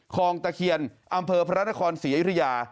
คลองตะเคียนอำเภอพระนครศรีอยุธยา